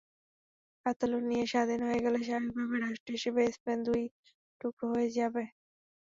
কাতালুনিয়া স্বাধীন হয়ে গেলে স্বাভাবিকভাবেই রাষ্ট্র হিসেবে স্পেন দুই টুকরো হয়ে যাবে।